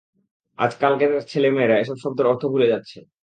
আজকালের ছেলে মেয়েরা, এসব শব্দের অর্থ ভুলে যাচ্ছে।